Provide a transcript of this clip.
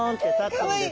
かわいい！